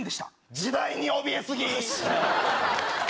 時代におびえ過ぎ。